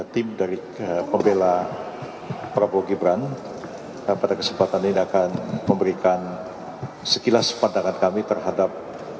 tim dari pembela prabowo gibran yang pada kesempatan ini akan memberikan sekilas pandangan kami terhadap